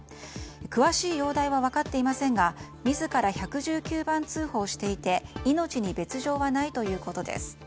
詳しい容体は分かっていませんが自ら１１９番通報していて命に別条はないということです。